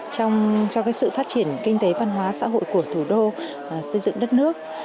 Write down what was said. trong cho sự phát triển kinh tế văn hóa xã hội của thủ đô xây dựng đất nước